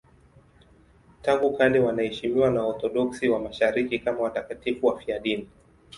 Tangu kale wanaheshimiwa na Waorthodoksi wa Mashariki kama watakatifu wafiadini.